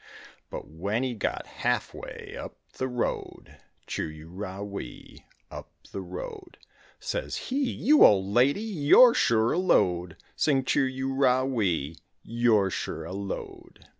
But when he got half way up the road, Chir u ra wee, up the road, Says he, "You old lady, you're sure a load," Sing chir u ra wee, you're sure a load.